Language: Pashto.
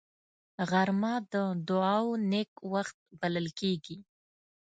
غرمه د دعاو نېک وخت بلل کېږي